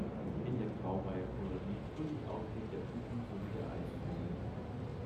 In der Graureiherkolonie brütet außerdem der Uhu sowie der Eisvogel.